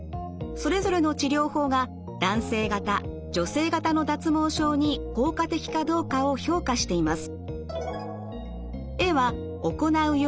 それぞれの治療法が男性型女性型の脱毛症に効果的かどうかを評価しています。